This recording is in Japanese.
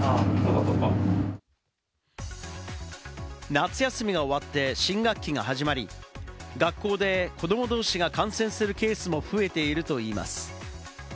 夏休みが終わって新学期が始まり、学校で子ども同士が感染するケースも増えているといいます。